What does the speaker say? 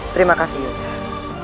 terima kasih yunda